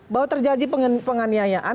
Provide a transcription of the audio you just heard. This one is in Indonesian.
bahwa terjadi penganiayaan